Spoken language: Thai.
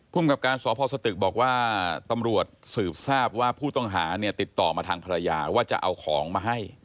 กับการสพสตึกบอกว่าตำรวจสืบทราบว่าผู้ต้องหาเนี่ยติดต่อมาทางภรรยาว่าจะเอาของมาให้